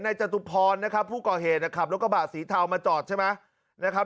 ในจัตุภรนะครับผู้ก่อเหนะครับแล้วก็บาสีเทามาจอดใช่ไหมนะครับ